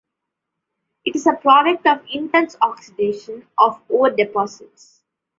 It is a product of intense oxidation of ore deposits.